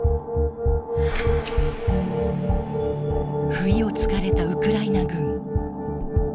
不意をつかれたウクライナ軍。